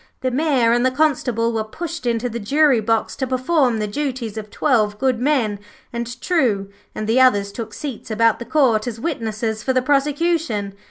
The Mayor and the Constable were pushed into the jury box to perform the duties of twelve good men and true, and the others took seats about the Court as witnesses for the prosecution.